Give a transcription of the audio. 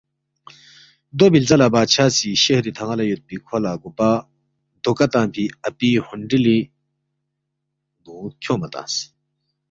دو بی لزا لہ بادشاہ سی شہری تھن٘ا لہ یودپی کھو لہ گوپا دھوکہ تنگفی اپی ہنڈیلی ن٘و کھیونگما تنگس